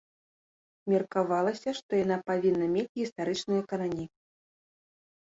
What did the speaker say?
Меркавалася, што яна павінна мець гістарычныя карані.